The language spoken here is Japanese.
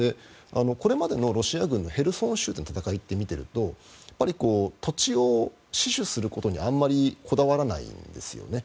これまでのロシア軍のヘルソン州での戦いを見ていると土地を死守することにあまりこだわらないですよね。